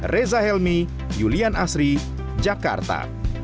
reza helmi julian asri jakarta